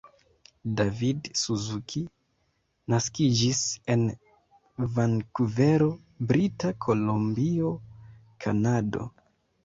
David Suzuki naskiĝis en Vankuvero, Brita Kolumbio, Kanado.